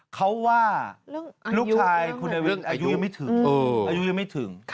เขาว่าลูกชายคุณเอวินอายุยังไม่ถึง